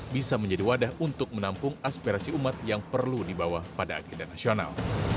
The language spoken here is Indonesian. bisa menjadi wadah untuk menampung aspirasi umat yang perlu dibawa pada agenda nasional